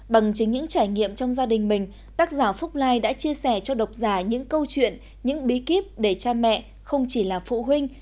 bằng chính những trải nghiệm trong gia đình mình tác giả phúc lai đã chia sẻ cho độc giả những câu chuyện những bí kíp để cha mẹ không chỉ là phụ huynh